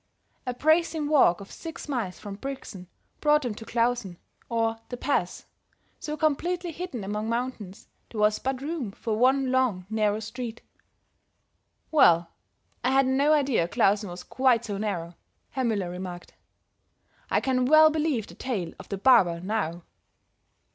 A bracing walk of six miles from Brixen brought them to Klausen, or The Pass, so completely hidden among mountains there was but room for one long, narrow street. "Well, I had no idea Klausen was quite so narrow," Herr Müller remarked. "I can well believe the tale of the barber, now."